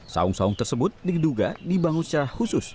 saung saung tersebut diduga dibangun secara khusus